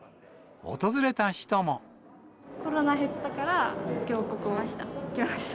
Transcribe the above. コロナ減ったから、きょうここに来ました。